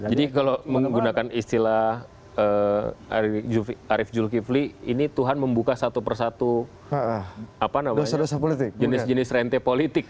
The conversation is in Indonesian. jadi kalau menggunakan istilah arief julkifli ini tuhan membuka satu persatu jenis jenis rente politik